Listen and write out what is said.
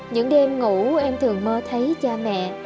những đêm ngủ em thường mơ thấy cha mẹ